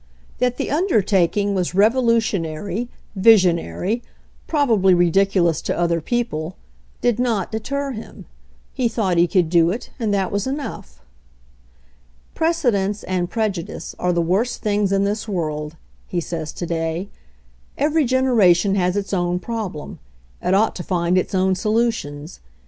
That the undertaking was revolutionary, vision ary, probably ridiculous to other people, did not deter him; he thought he could do it, and that was enough. "Precedents and prejudice are the worst things in this world," he says to day. "Every genera tion has its own problem ; it ought to find its own \ solutions.